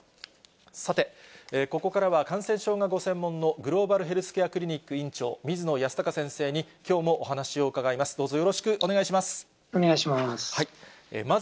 さて、ここからは感染症がご専門のグローバルヘルスケアクリニック院長、水野泰孝先生にきょうもお話を伺います。